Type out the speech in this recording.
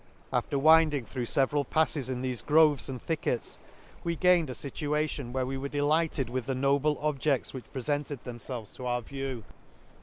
— After winding through feveral pafles in thefe groves and thickets, we gained a fitu ation where we were delighted with the noble objects which prefented themfelves to our view.